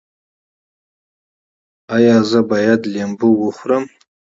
ایا زه باید لیمو وخورم؟